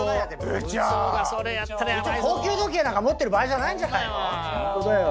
部長高級時計なんか持ってる場合じゃないんじゃないの？